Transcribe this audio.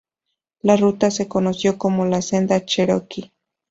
La ruta se conoció como la Senda Cheroqui.